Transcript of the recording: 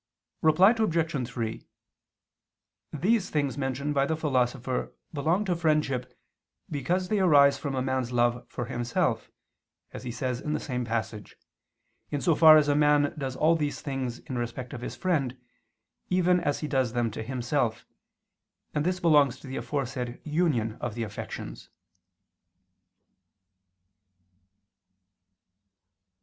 Reply Obj. 3: These things mentioned by the Philosopher belong to friendship because they arise from a man's love for himself, as he says in the same passage, in so far as a man does all these things in respect of his friend, even as he does them to himself: and this belongs to the aforesaid union of the affections.